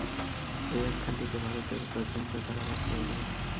এই আখ্যানটিতে ভারতের প্রাচীন প্রথার আভাস পাওয়া যায়।